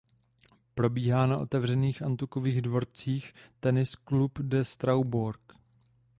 Probíhá na otevřených antukových dvorcích Tennis Clubu de Strasbourg.